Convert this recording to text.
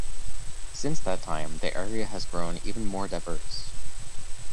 Since that time, the area has grown even more diverse.